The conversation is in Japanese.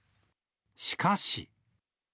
しかし。